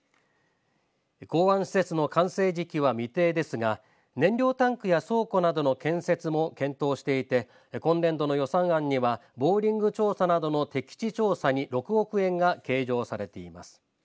港湾施設の完成時期は未定ですが燃料タンクや倉庫などの建設も検討していて今年度の予算案にはボーリング調査などの適地調査に６億円が計上されています。